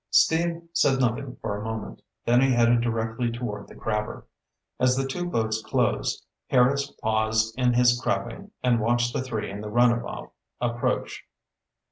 Steve said nothing for a moment, then he headed directly toward the crabber. As the two boats closed, Harris paused in his crabbing and watched the three in the runabout approach.